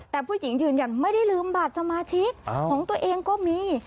แต่ผู้หญิงยืนยันไม่ได้ลืมบัตรสมาชิกของตัวเองก็มี